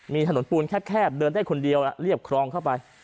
มีถนนปูนแคบเดินได้คนเดียวเรียบครองเข้าไป